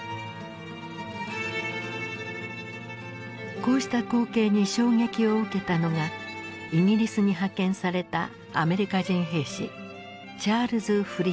こうした光景に衝撃を受けたのがイギリスに派遣されたアメリカ人兵士チャールズ・フリッツだった。